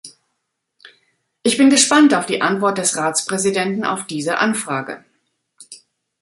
Ich bin gespannt auf die Antwort des Ratspräsidenten auf diese Anfrage.